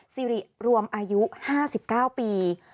สิริรวมอายุ๕๙ปี